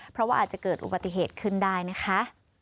เพราะว่าอาจจะเกิดอุบัติเหตุขึ้นได้นะคะ